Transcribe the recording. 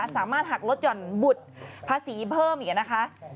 สามารถหักลดหย่อนบุตรภาษีเพิ่มอีกนะคะ